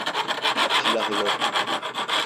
Silahı yok.